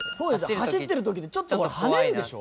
走ってる時にちょっとほら跳ねるでしょ